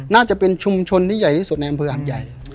น่าจะเป็นชุมชนที่ใหญ่ที่สุดในอำเภอหาดใหญ่